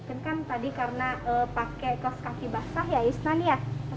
ini kan tadi karena pakai kaki basah ya isnan ya